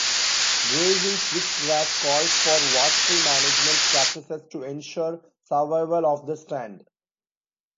Grazing switchgrass calls for watchful management practices to ensure survival of the stand.